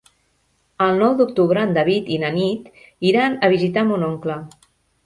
El nou d'octubre en David i na Nit iran a visitar mon oncle.